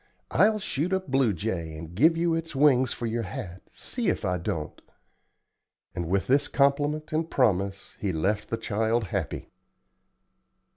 I'll shoot a blue jay, and give you its wings for your hat, see if I don't;" and with this compliment and promise he left the child happy.